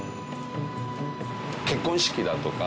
結婚式だとか。